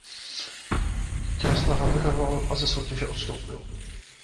Kresta havaroval a ze soutěže odstoupil.